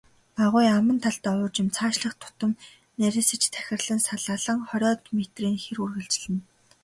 Агуй аман талдаа уужим, цаашлах тутам нарийсаж тахирлан салаалан, хориод метрийн хэр үргэлжилнэ.